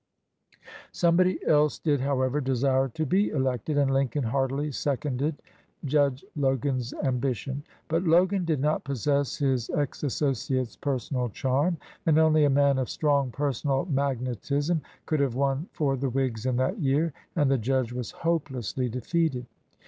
Somebody else did, however, desire to be elected, and Lincoln heartily seconded Judge Logan's ambition. But Logan did not possess his ex associate's personal charm, and only a man of strong personal magnetism could have won for the Whigs in that year, and the judge was hopelessly defeated.